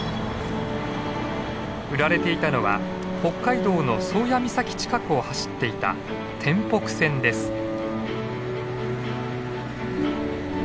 売られていたのは北海道の宗谷岬近くを走っていた天北線です。